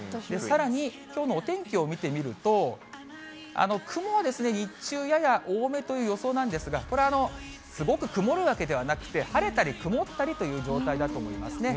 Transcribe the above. さらにきょうのお天気を見てみると、雲は日中、やや多めという予想なんですが、これ、すごく曇るわけではなくて、晴れたり曇ったりという状態だと思います。